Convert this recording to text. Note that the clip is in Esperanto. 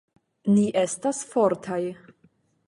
Ni estas fortaj